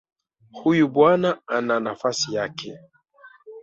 Huyu bwana ana nafasi yake